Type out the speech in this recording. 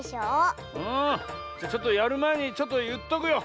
ああじゃちょっとやるまえにちょっといっとくよ。